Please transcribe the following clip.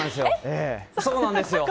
そうなんですよ。